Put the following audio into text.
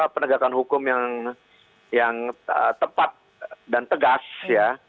penegakan hukum yang tepat dan tegas ya